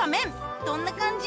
どんな感じ？